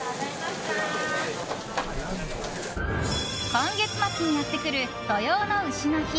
今月末にやってくる土用の丑の日。